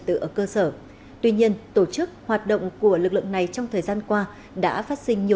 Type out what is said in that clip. tự ở cơ sở tuy nhiên tổ chức hoạt động của lực lượng này trong thời gian qua đã phát sinh nhiều